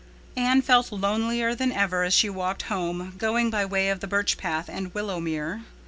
Anne felt lonelier than ever as she walked home, going by way of the Birch Path and Willowmere.